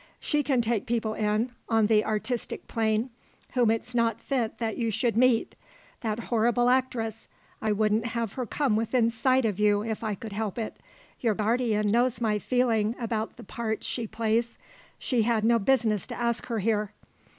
She can take people in, on the artistic plane, whom it's not fit that you should meet. That horrible actress, I wouldn't have her come within sight of you if I could help it. Your guardian knows my feeling about the parts she plays. She had no business to ask her here.